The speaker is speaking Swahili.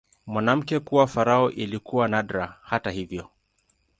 Mwanamke kuwa farao ilikuwa nadra, hata hivyo.